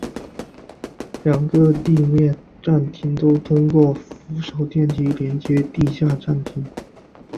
两个地面站厅都通过扶手电梯连接地下站厅。